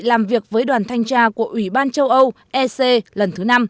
làm việc với đoàn thanh tra của ủy ban châu âu ec lần thứ năm